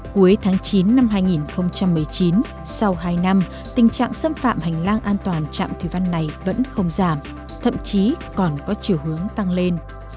cuối tháng chín năm hai nghìn một mươi chín sau hai năm tình trạng xâm phạm hành lang an toàn trạm thủy văn này vẫn không giảm thậm chí còn có chiều hướng tăng lên